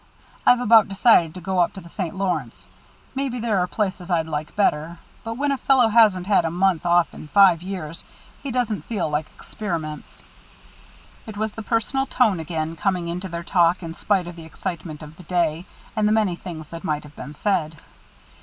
I've about decided to go to the St. Lawrence. Maybe there are places I'd like better, but when a fellow hasn't had a month off in five years, he doesn't feel like experiments." It was the personal tone again, coming into their talk in spite of the excitement of the day and the many things that might have been said.